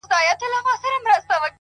نظم د لاسته راوړنو لاره هواروي